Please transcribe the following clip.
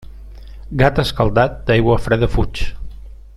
Gat escaldat d'aigua freda fuig.